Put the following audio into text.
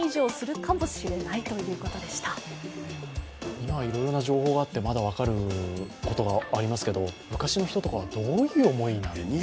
今はいろいろな情報があってまだ分かることがありますけど昔の人とかはどういう思いなんですかね。